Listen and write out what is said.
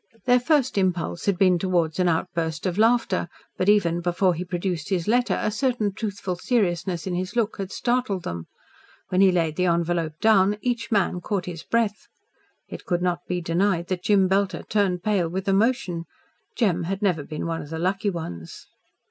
Their first impulse had been towards an outburst of laughter, but even before he produced his letter a certain truthful seriousness in his look had startled them. When he laid the envelope down each man caught his breath. It could not be denied that Jem Belter turned pale with emotion. Jem had never been one of the lucky ones.